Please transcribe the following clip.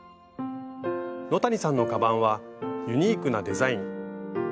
野谷さんのカバンはユニークなデザイン。